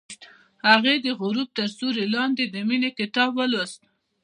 هغې د غروب تر سیوري لاندې د مینې کتاب ولوست.